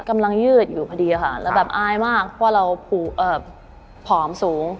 กำลังยืดอยู่พอดีค่ะแล้วแบบอายมากว่าเราผูอ่ะผอมสูง